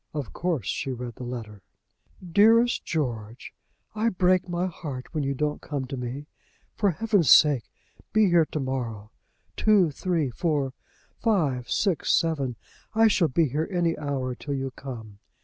Of course she read the letter. "DEAREST GEORGE, "I break my heart when you don't come to me; for heaven's sake be here to morrow. Two, three, four, five, six, seven I shall be here any hour till you come.